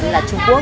là trung quốc